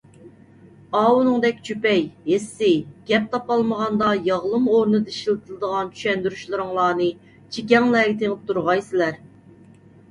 ئاۋۇنىڭدەك چۈپەي، ھېسسىي، گەپ تاپالمىغاندا ياغلىما ئورنىدا ئىشلىتىدىغان چۈشەندۈرۈشلىرىڭلارنى چېكەڭلەرگە تېڭىپ تۇرغايسىلەر.